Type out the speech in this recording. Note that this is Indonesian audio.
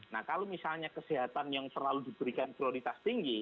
nah kalau misalnya kesehatan yang selalu diberikan prioritas tinggi